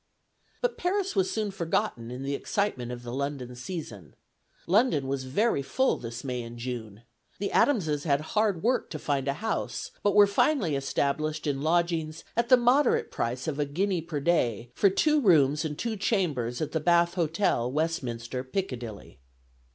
But Paris was soon forgotten in the excitement of the London season. London was very full this May and June. The Adamses had hard work to find a house, but were finally established in lodgings "at the moderate price of a guinea per day, for two rooms and two chambers at the Bath Hotel, Westminster, Piccadilly."